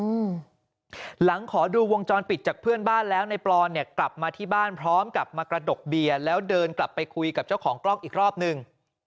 อืมหลังขอดูวงจรปิดจากเพื่อนบ้านแล้วในปลอนเนี่ยกลับมาที่บ้านพร้อมกับมากระดกเบียร์แล้วเดินกลับไปคุยกับเจ้าของกล้องอีกรอบหนึ่ง